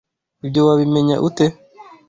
Ibyo wabimenya ute?